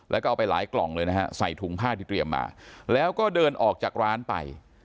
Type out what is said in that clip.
แล้วก็เอาไปหลายกล่องเลยนะฮะใส่ถุงผ้าที่เตรียมมาแล้วก็เดินออกจากร้านไป